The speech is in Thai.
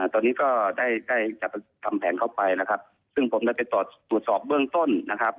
ตอนนี้ก็ได้จัดทำแผนเข้าไปซึ่งผมได้ไปตรวจสอบเบืองต้น